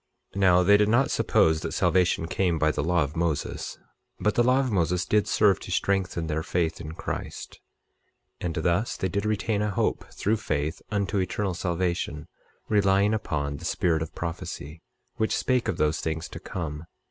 25:16 Now they did not suppose that salvation came by the law of Moses; but the law of Moses did serve to strengthen their faith in Christ; and thus they did retain a hope through faith, unto eternal salvation, relying upon the spirit of prophecy, which spake of those things to come.